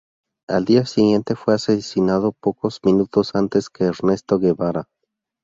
Al día siguiente fue asesinado pocos minutos antes que Ernesto Guevara.